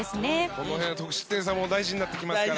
この辺、得失点差も大事になってきますからね。